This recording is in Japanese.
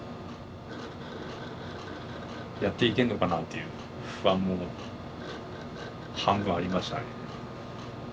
やっていけんのかなという不安も半分ありましたね。